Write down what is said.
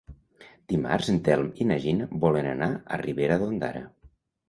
Dimarts en Telm i na Gina volen anar a Ribera d'Ondara.